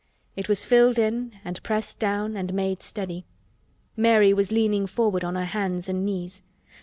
It was filled in and pressed down and made steady. Mary was leaning forward on her hands and knees.